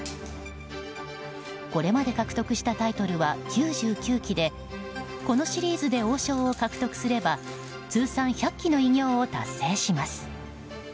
これまで獲得したタイトルは９９期でこのシリーズで王将を獲得すれば通算１００期の偉業を達成します。